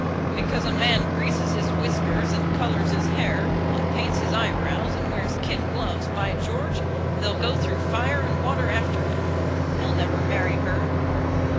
"Because a man greases his whiskers, and colours his hair, and paints his eyebrows, and wears kid gloves, by George, they'll go through fire and water after him. He'll never marry her."